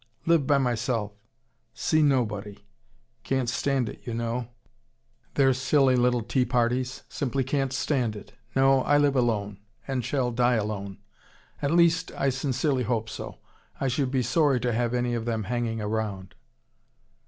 Live by myself see nobody. Can't stand it, you know: their silly little teaparties simply can't stand it. No, I live alone and shall die alone. At least, I sincerely hope so. I should be sorry to have any of them hanging round."